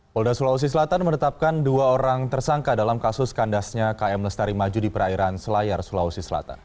polda sulawesi selatan menetapkan dua orang tersangka dalam kasus kandasnya km lestari maju di perairan selayar sulawesi selatan